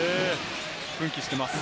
奮起しています。